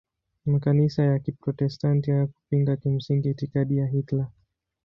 Makanisa ya Kiprotestanti hayakupinga kimsingi itikadi ya Hitler.